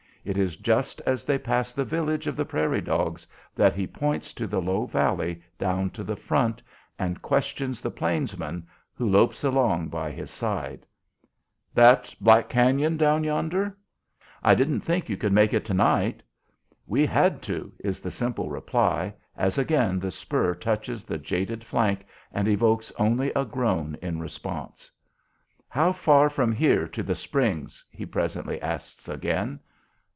It is just as they pass the village of the prairie dogs that he points to the low valley down to the front and questions the "plainsman" who lopes along by his side, "That Black Cañon down yonder?" "That's it, lieutenant: I didn't think you could make it to night." "We had to," is the simple reply as again the spur touches the jaded flank and evokes only a groan in response. "How far from here to the Springs?" he presently asks again.